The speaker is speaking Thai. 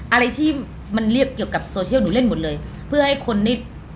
อะไรที่มันเรียบเกี่ยวกับโซเชียลหนูเล่นหมดเลยเพื่อให้คนนี้